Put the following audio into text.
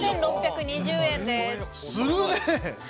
４６２０円です。